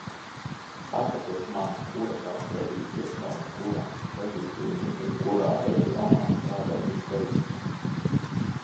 Pasakiet man, kura vēl kredītiestāde, kura kredītlīnija un kurā reģionā strādā tik veiksmīgi?